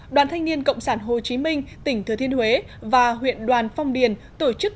đoàn thanh niên cộng sản hồ chí minh tỉnh thừa thiên huế và huyện đoàn phong điền tổ chức